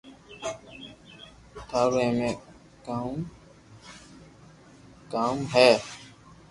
ٿارو اي مي ڪوم ڪاائہ ھي